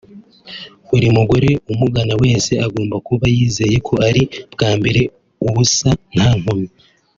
Buri mugore umugana wese agomba kuba yizeye ko ari bwambare ubusa nta nkomyi